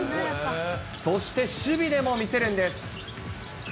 そして守備でも見せるんです。